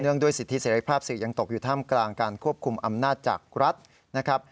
ด้วยสิทธิเสร็จภาพสื่อยังตกอยู่ท่ามกลางการควบคุมอำนาจจากรัฐนะครับ